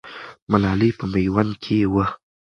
ملالۍ په میوند کې وه.